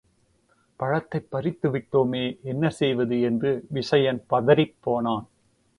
பழத்தைப் பறித்துவிட்டோமே என்ன செய்வது என்று விசயன் பதறிப்போனான்.